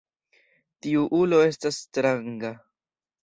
Tiu ulo estas stranga.